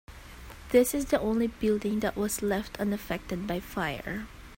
This is the only building that was left unaffected by fire.